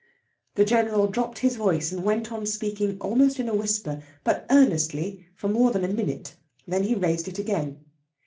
The General dropped his voice, and went on speaking almost in a whisper, but earnestly, for more than a minute. Then he raised it again.